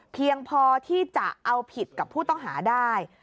เพียงพอที่จะเอาผิดกับผู้ต้องหาได้